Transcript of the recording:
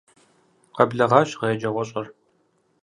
Къэблэгъащ гъэ еджэгъуэщIэр.